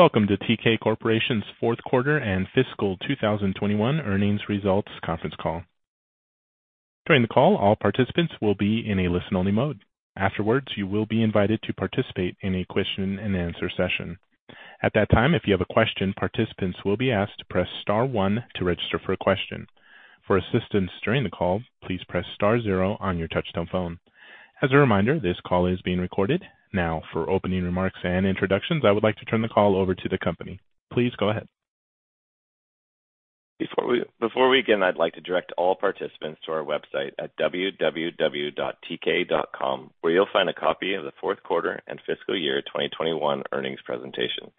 Welcome to Teekay Corporation's fourth quarter and fiscal 2021 earnings results conference call. During the call, all participants will be in a listen-only mode. Afterwards, you will be invited to participate in a question-and-answer session. At that time, if you have a question, participants will be asked to press star one to register for a question. For assistance during the call, please press star zero on your touch-tone phone. As a reminder, this call is being recorded. Now, for opening remarks and introductions, I would like to turn the call over to the company. Please go ahead. Before we begin, I'd like to direct all participants to our website at www.teekay.com, where you'll find a copy of the fourth quarter and fiscal year 2021 earnings presentation.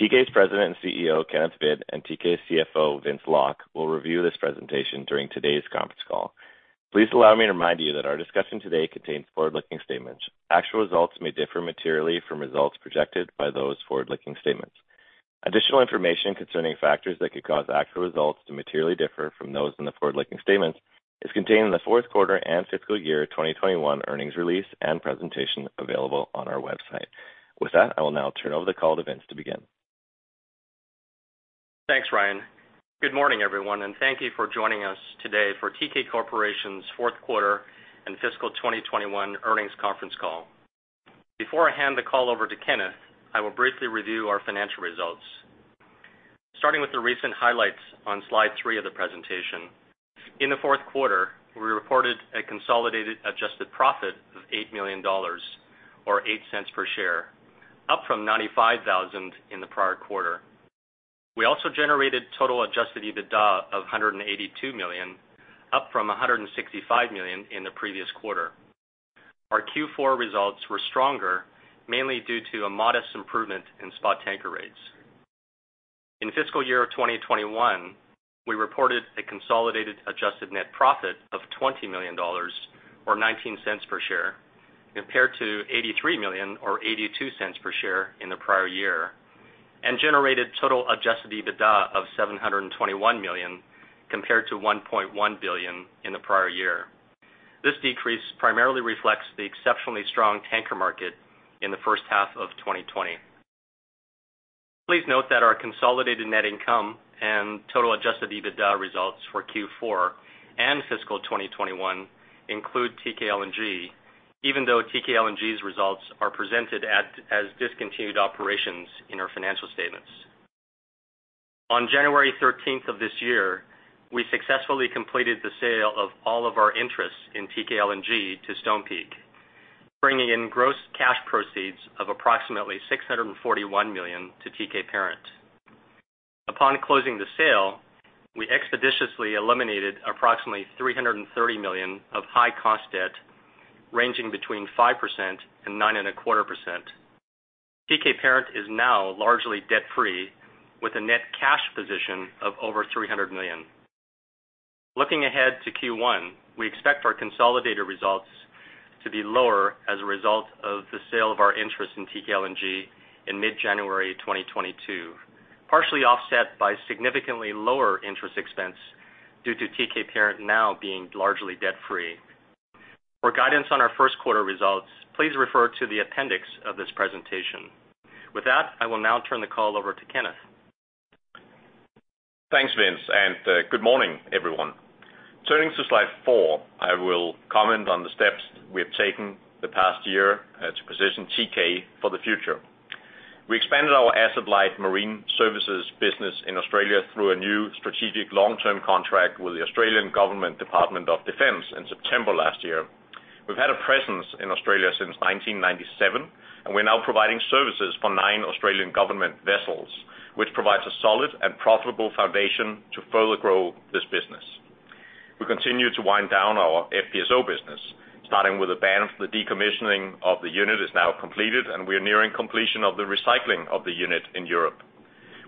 Teekay's President and CEO, Kenneth Hvid, and Teekay's CFO, Vince Lok, will review this presentation during today's conference call. Please allow me to remind you that our discussion today contains forward-looking statements. Actual results may differ materially from results projected by those forward-looking statements. Additional information concerning factors that could cause actual results to materially differ from those in the forward-looking statements is contained in the fourth quarter and fiscal year 2021 earnings release and presentation available on our website. With that, I will now turn over the call to Vince to begin. Thanks, Ryan. Good morning, everyone, and thank you for joining us today for Teekay Corporation's fourth quarter and fiscal 2021 earnings conference call. Before I hand the call over to Kenneth, I will briefly review our financial results. Starting with the recent highlights on slide three of the presentation. In the fourth quarter, we reported a consolidated adjusted profit of $8 million or $0.08 per share, up from $95,000 in the prior quarter. We also generated total adjusted EBITDA of $182 million, up from $165 million in the previous quarter. Our Q4 results were stronger, mainly due to a modest improvement in spot tanker rates. In fiscal year 2021, we reported a consolidated adjusted net profit of $20 million or $0.19 per share, compared to $83 million or $0.82 per share in the prior year, and generated total adjusted EBITDA of $721 million, compared to $1.1 billion in the prior year. This decrease primarily reflects the exceptionally strong tanker market in the first half of 2020. Please note that our consolidated net income and total adjusted EBITDA results for Q4 and fiscal 2021 include Teekay LNG, even though Teekay LNG's results are presented as discontinued operations in our financial statements. On January 13 of this year, we successfully completed the sale of all of our interests in Teekay LNG to Stonepeak, bringing in gross cash proceeds of approximately $641 million to Teekay Parent. Upon closing the sale, we expeditiously eliminated approximately $330 million of high-cost debt ranging between 5% and 9.25%. Teekay Parent is now largely debt-free with a net cash position of over $300 million. Looking ahead to Q1, we expect our consolidated results to be lower as a result of the sale of our interest in Teekay LNG in mid-January 2022, partially offset by significantly lower interest expense due to Teekay Parent now being largely debt-free. For guidance on our first quarter results, please refer to the appendix of this presentation. With that, I will now turn the call over to Kenneth. Thanks, Vince, and good morning, everyone. Turning to slide four, I will comment on the steps we have taken the past year to position Teekay for the future. We expanded our asset-light marine services business in Australia through a new strategic long-term contract with the Australian Government Department of Defence in September last year. We've had a presence in Australia since 1997, and we're now providing services for nine Australian Government vessels, which provides a solid and profitable foundation to further grow this business. We continue to wind down our FPSO business, starting with the decommissioning of the unit, which is now completed, and we are nearing completion of the recycling of the unit in Europe.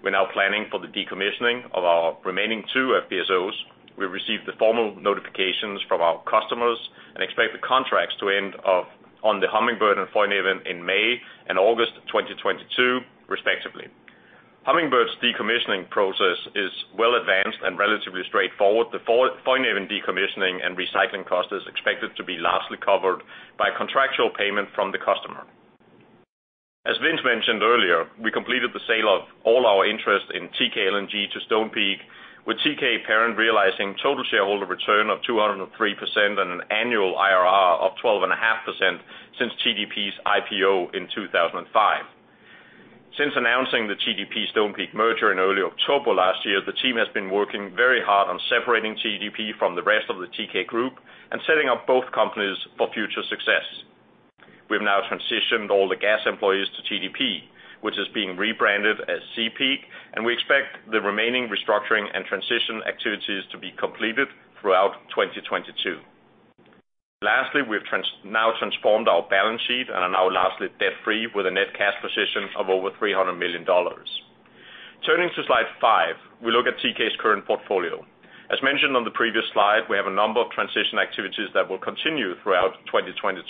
We're now planning for the decommissioning of our remaining two FPSOs. We received the formal notifications from our customers and expect the contracts to end on the Hummingbird and Foinaven in May and August 2022 respectively. Hummingbird's decommissioning process is well advanced and relatively straightforward. The Foinaven decommissioning and recycling cost is expected to be largely covered by contractual payment from the customer. As Vince mentioned earlier, we completed the sale of all our interest in Teekay LNG to Stonepeak, with Teekay Parent realizing total shareholder return of 203% and an annual IRR of 12.5% since TGP's IPO in 2005. Since announcing the TGP Stonepeak merger in early October last year, the team has been working very hard on separating TGP from the rest of the Teekay group and setting up both companies for future success. We've now transitioned all the gas employees to TGP, which is being rebranded as Seapeak, and we expect the remaining restructuring and transition activities to be completed throughout 2022. Lastly, we've now transformed our balance sheet and are now largely debt-free with a net cash position of over $300 million. Turning to slide five, we look at Teekay's current portfolio. As mentioned on the previous slide, we have a number of transition activities that will continue throughout 2022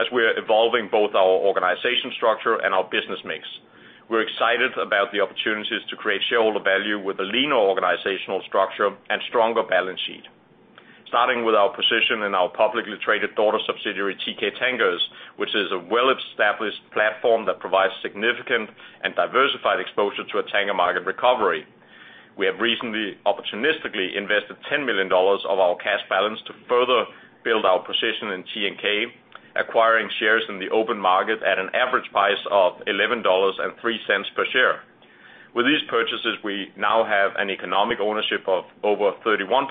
as we are evolving both our organization structure and our business mix. We're excited about the opportunities to create shareholder value with a leaner organizational structure and stronger balance sheet. Starting with our position in our publicly traded daughter subsidiary, Teekay Tankers, which is a well-established platform that provides significant and diversified exposure to a tanker market recovery. We have recently opportunistically invested $10 million of our cash balance to further build our position in TNK, acquiring shares in the open market at an average price of $11.03 per share. With these purchases, we now have an economic ownership of over 31%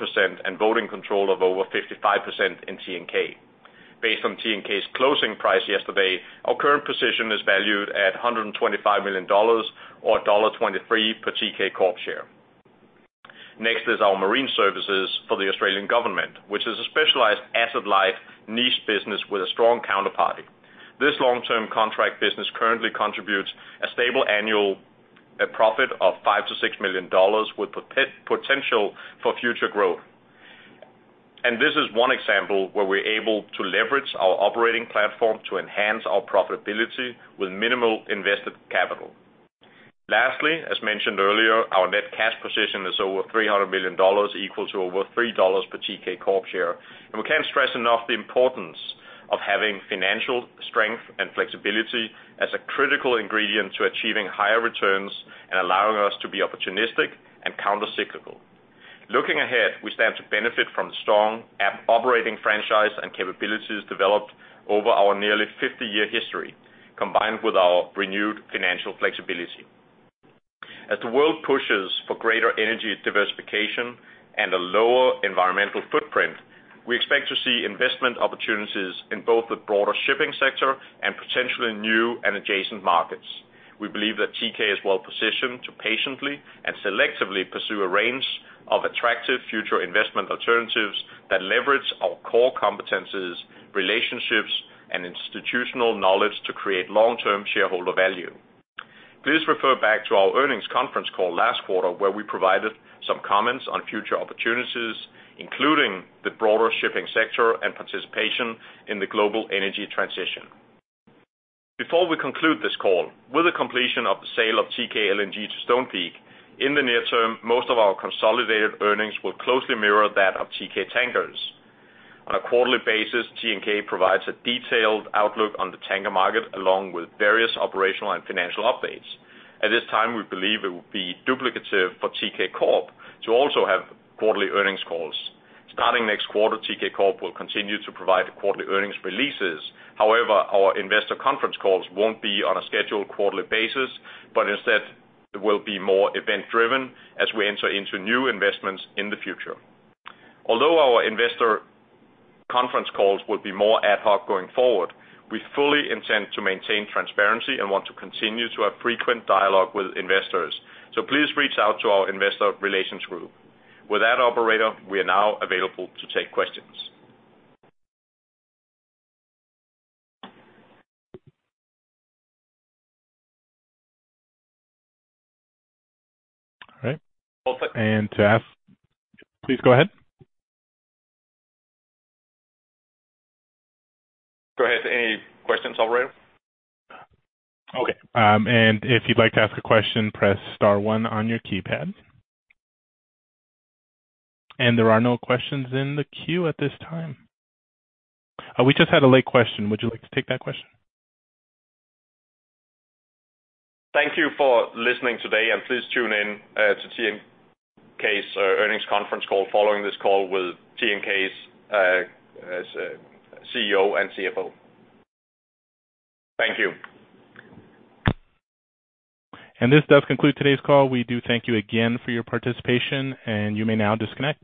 and voting control of over 55% in TNK. Based on TNK's closing price yesterday, our current position is valued at $125 million or $23 per Teekay Corp share. Next is our marine services for the Australian government, which is a specialized asset-light niche business with a strong counterparty. This long-term contract business currently contributes a stable annual profit of $5 million-$6 million, with potential for future growth. This is one example where we're able to leverage our operating platform to enhance our profitability with minimal invested capital. Lastly, as mentioned earlier, our net cash position is over $300 million, equal to over $3 per Teekay Corp share. We can't stress enough the importance of having financial strength and flexibility as a critical ingredient to achieving higher returns and allowing us to be opportunistic and countercyclical. Looking ahead, we stand to benefit from strong operating franchise and capabilities developed over our nearly 50-year history, combined with our renewed financial flexibility. As the world pushes for greater energy diversification and a lower environmental footprint, we expect to see investment opportunities in both the broader shipping sector and potentially new and adjacent markets. We believe that Teekay is well positioned to patiently and selectively pursue a range of attractive future investment alternatives that leverage our core competencies, relationships, and institutional knowledge to create long-term shareholder value. Please refer back to our earnings conference call last quarter, where we provided some comments on future opportunities, including the broader shipping sector and participation in the global energy transition. Before we conclude this call, with the completion of the sale of Teekay LNG to Stonepeak, in the near term, most of our consolidated earnings will closely mirror that of Teekay Tankers. On a quarterly basis, TNK provides a detailed outlook on the tanker market along with various operational and financial updates. At this time, we believe it would be duplicative for Teekay Corp to also have quarterly earnings calls. Starting next quarter, Teekay Corp will continue to provide quarterly earnings releases. However, our investor conference calls won't be on a scheduled quarterly basis, but instead will be more event-driven as we enter into new investments in the future. Although our investor conference calls will be more ad hoc going forward, we fully intend to maintain transparency and want to continue to have frequent dialogue with investors. Please reach out to our investor relations group. With that, operator, we are now available to take questions. All right. Please go ahead. Go ahead. Any questions, operator? Okay, if you'd like to ask a question, press star one on your keypad. There are no questions in the queue at this time. We just had a late question. Would you like to take that question? Thank you for listening today, and please tune in to TNK's earnings conference call, following this call with TNK's CEO and CFO. Thank you. This does conclude today's call. We do thank you again for your participation, and you may now disconnect.